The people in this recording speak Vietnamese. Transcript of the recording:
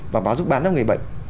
và báo giúp bán cho người bệnh